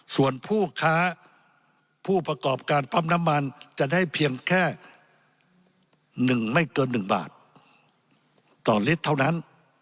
ส่วนผู้ค้าผู้ประกอบการปั๊มน้ำมันจะได้เพียงแค่๑ไม่เกิน๑บาทต่อลิตรเท่านั้น